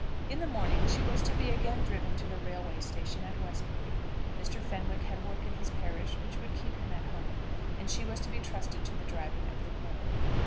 In the morning she was to be again driven to the railway station at Westbury. Mr. Fenwick had work in his parish which would keep him at home, and she was to be trusted to the driving of the groom.